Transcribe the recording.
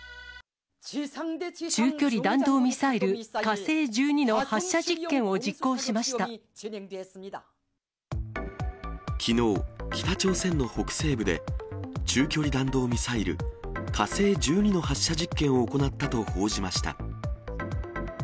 中距離弾道ミサイル火星１２きのう、北朝鮮の北西部で、中距離弾道ミサイル、火星１２の発射実験を行ったと報じました。